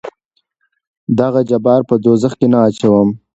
دهغه جبار په دوزخ کې نه اچوم.